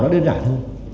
nó đơn giản hơn